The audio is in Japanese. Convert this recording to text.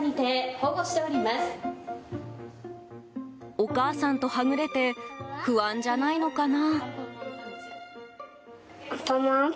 お母さんとはぐれて不安じゃないのかな？